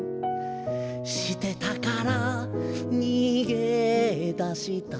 「してたからにげだした」